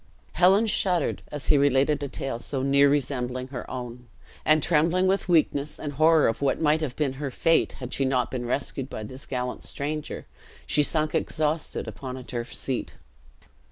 Helen shuddered, as he related a tale so near resembling her own; and trembling with weakness, and horror of what might have been her fate had she not been rescued by this gallant stranger, she sunk exhausted upon a turf seat.